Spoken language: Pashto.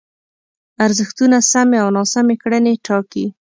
ارزښتونه سمې او ناسمې کړنې ټاکي.